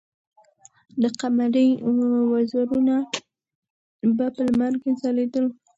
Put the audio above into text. د قمرۍ وزرونه په لمر کې ځلېدل.